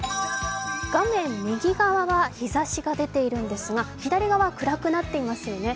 画面右側は日ざしが出ているんですが左側は暗くなっていますよね。